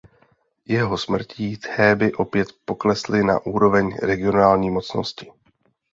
Jeho smrtí Théby opět poklesly na úroveň regionální mocnosti.